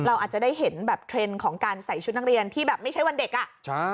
เราอาจจะได้เห็นแบบเทรนด์ของการใส่ชุดนักเรียนที่แบบไม่ใช่วันเด็กอ่ะใช่